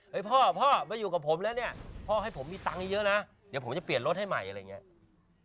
พ่อพ่อมาอยู่กับผมแล้วเนี่ยพ่อให้ผมมีตังค์เยอะนะเดี๋ยวผมจะเปลี่ยนรถให้ใหม่อะไรอย่างนี้